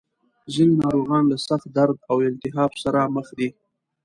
ځینې ناروغان له سخت درد او التهاب سره مخ دي.